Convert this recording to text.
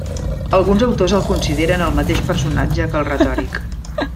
Alguns autors el consideren el mateix personatge que el retòric.